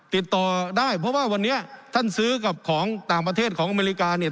ติดต่อได้เพราะว่าวันนี้ท่านซื้อกับของต่างประเทศของอเมริกาเนี่ย